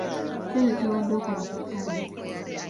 Kiki ekyo ky'obadde okola ku ttale?